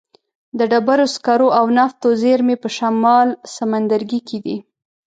د ډبرو سکرو او نفتو زیرمې په شمال سمندرګي کې دي.